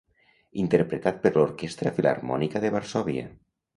Interpretat per l'Orquestra Filharmònica de Varsòvia.